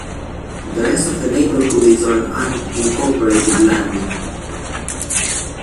The rest of the neighborhood is on unincorporated land.